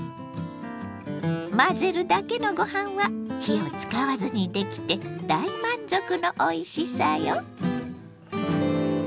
混ぜるだけのご飯は火を使わずにできて大満足のおいしさよ。